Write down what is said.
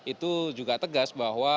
itu juga tegas bahwa